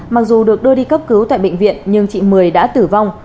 mặc dù được đưa đi cấp cứu tại bệnh viện nhưng chị mười đã tử vong